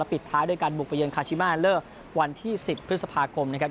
แล้วปิดท้ายด้วยการบุกเบยินคาชิมาเลอร์วันที่สิบพฤษภาคมนะครับ